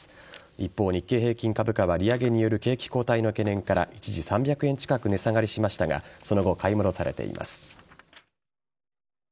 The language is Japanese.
一方、日経平均株価は利上げによる景気後退の懸念から一時、３００円近く値下がりしましたがその後、買い戻されています。